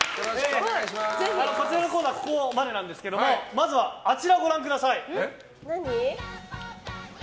こちらのコーナーはここまでなんですけどまずは、あちらをご覧ください。